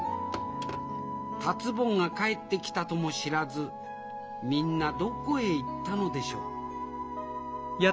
達ぼんが帰ってきたとも知らずみんなどこへ行ったのでしょう？